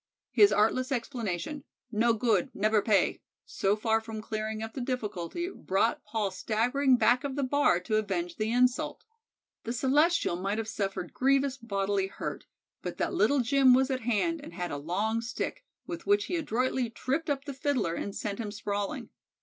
His artless explanation, "No good, neber pay," so far from clearing up the difficulty, brought Paul staggering back of the bar to avenge the insult. The Celestial might have suffered grievous bodily hurt, but that Little Jim was at hand and had a long stick, with which he adroitly tripped up the Fiddler and sent him sprawling.